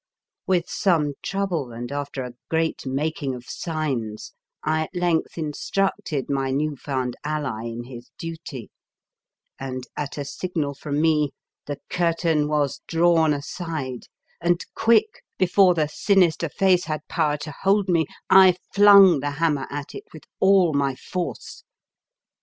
With some trouble and after a great making of signs, I at length instructed my new found ally in his duty, and at a signal from me the curtain was drawn aside, and quick, before the sinister face had 91 The Fearsome Island power to hold me, I flung the ham mer at it with all my force.